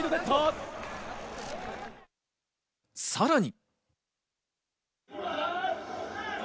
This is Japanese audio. さらに。